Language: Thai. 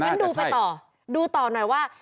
งั้นดูไปต่อดูต่อหน่อยว่า